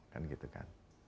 kan gitu kan